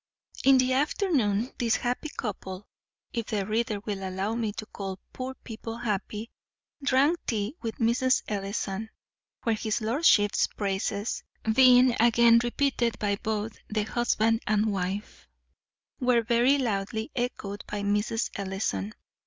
In the afternoon this happy couple, if the reader will allow me to call poor people happy, drank tea with Mrs. Ellison, where his lordship's praises, being again repeated by both the husband and wife, were very loudly echoed by Mrs. Ellison.